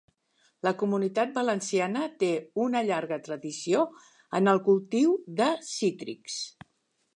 La Comunitat Valenciana té una llarga tradició en el cultiu de cítrics